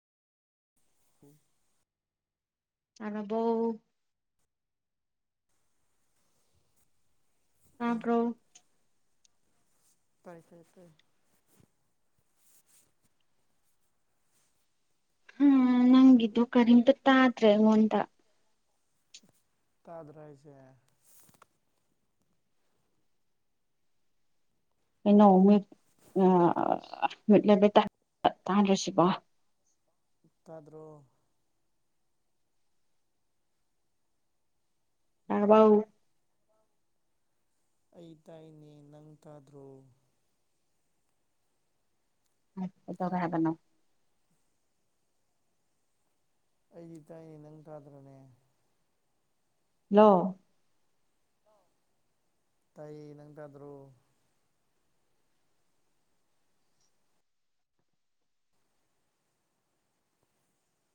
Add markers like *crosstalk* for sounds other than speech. ꯍꯨꯡ ꯆꯥꯔꯕꯣ ꯇꯥꯏ ꯇꯥꯕ꯭ꯔꯣ *unintelligible* ꯅꯪꯒꯤꯗꯨ ꯀꯔꯤꯝꯇ ꯇꯥꯗ꯭ꯔꯦ ꯑꯩꯉꯣꯟꯗ ꯇꯥꯗ꯭ꯔꯥ ꯍꯥꯏꯁꯦ ꯀꯩꯅꯣ ꯃ꯭ꯌꯨꯠ ꯑꯥ ꯃ꯭ꯌꯨꯠ ꯂꯩꯕ꯭ꯔꯥ ꯇꯥ ꯇꯥꯗ꯭ꯔꯤꯁꯤꯕꯣ ꯇꯥꯗ꯭ꯔꯣ ꯇꯥꯔꯕꯧ ꯍꯜꯂꯣ ꯑꯩ ꯇꯥꯏꯅꯦ ꯅꯪ ꯇꯥꯗ꯭ꯔꯣ ꯑꯁ ꯀꯩ ꯇꯧꯔꯦ ꯍꯥꯏꯕꯅꯣ ꯑꯩꯗꯤ ꯇꯥꯏꯌꯦ ꯅꯪ ꯇꯥꯗ꯭ꯔꯥꯅꯦ ꯍꯜꯂꯣ ꯇꯥꯏꯌꯦ ꯅꯪ ꯇꯥꯗ꯭ꯔꯣ